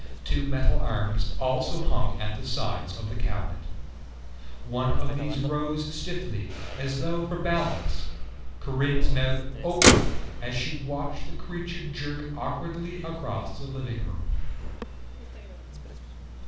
Two metal arms also hung at the sides of the cabinet. One of these rose stiffly, as though for balance. Corinne's mouth opened as she watched the creature jerk awkwardly across the living room.